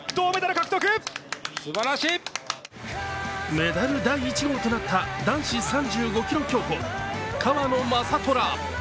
メダル第１号となった、男子３５ｋｍ競歩、川野将虎。